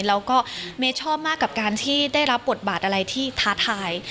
แล้วก็เมย์ชอบมากกับการที่ได้รับบทบาทอะไรที่ท้าทาย